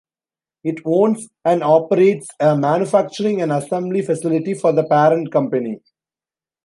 It owns and operates a manufacturing and assembly facility for the parent company.